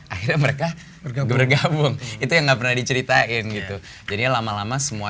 akhirnya mereka bergabung itu yang nggak pernah diceritain gitu jadi lama lama semua